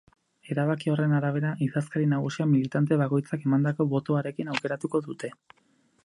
Erabaki horren arabera, idazkari nagusia militante bakoitzak emandako botoarekin aukeratuko dute.